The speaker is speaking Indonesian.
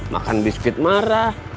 makan biskuit marah